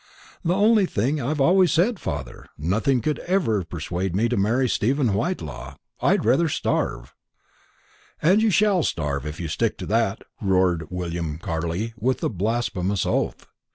"Only the same that I have always said, father. Nothing would ever persuade me to marry Stephen Whitelaw. I'd rather starve." "And you shall starve, if you stick to that," roared William Carley with a blasphemous oath.